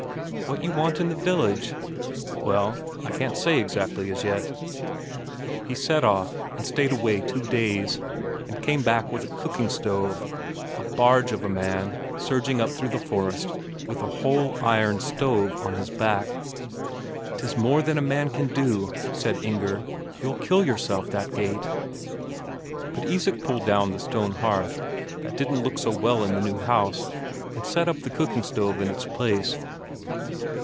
"What you want in the village?" "Well, I can't say exactly as yet...." He set off, and stayed away two days, and came Back with a cooking stove a barge of a man surging up through the forest with a whole iron stove on his back. "'Tis more than a man can do," said Inger. "You'll kill yourself that gait." But Isak pulled down the stone hearth, that didn't look so well in the new house, and set up the cooking stove in its place.